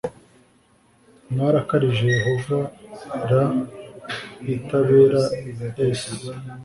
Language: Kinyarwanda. mwarakarije yehova r i tabera s